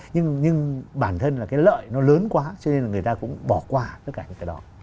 nhưng bản thân là cái lợi nó lớn quá cho nên là người ta cũng bỏ qua tất cả những cái đó